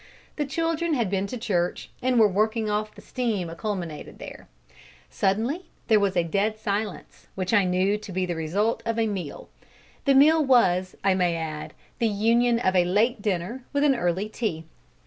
The children had been to church and were working off the steam accumulated there. Suddenly there was a dead silence, which I knew to be the result of a meal. The meal was, I may add, the union of a late dinner with an early tea.